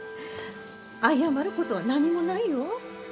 謝ることは何もないよ。